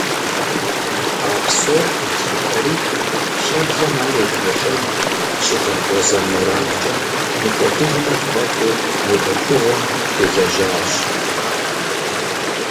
А псор къэтлъытэри, щӏэблэм ар едгъэщӏэн, щыдгъэгъуэзэн мурадкӏэ, мыкӏуэдыжмэ тфӏэфӏу, мы ӏуэхугъуэм делэжьащ.